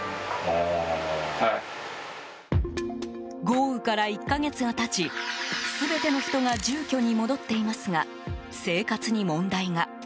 豪雨から１か月が経ち全ての人が住居に戻っていますが生活に問題が。